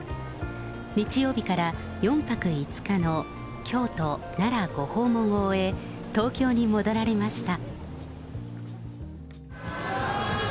日曜日から４泊５日の京都、奈良ご訪問を終え、東京に戻られました。